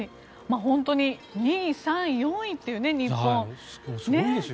本当に２位、３位、４位という日本ね。